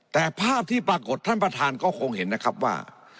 แต่ภาพที่ปรากฏท่านประธานก็คงเห็นนะครับว่า